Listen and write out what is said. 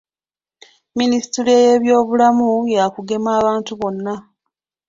Minisitule Y'eby'obulamu ya kugema abantu bonna.